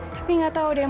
tapi gak tau deh om